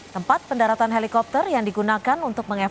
tempat pendaratan helikopter yang digunakan untuk mengevakuasi